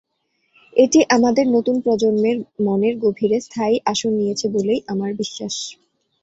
এটি আমাদের নতুন প্রজন্মের মনের গভীরে স্থায়ী আসন নিয়েছে বলেই আমার বিশ্বাস।